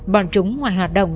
bọn chúng ngoài hoạt động